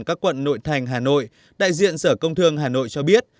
các quận nội thành hà nội đại diện sở công thương hà nội cho biết